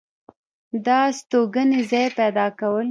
دا ستوګنې ځاے پېدا كول